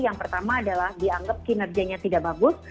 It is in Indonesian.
yang pertama adalah dianggap kinerjanya tidak bagus